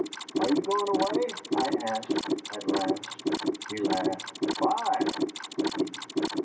"Are you going away?" I asked at last. He laughed. "Why?" said he.